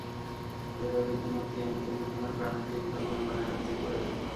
বেড়ে ওঠার জন্য, তিয়ামুতের বুদ্ধিমান প্রাণের থেকে বিশাল পরিমাণ এনার্জির প্রয়োজন।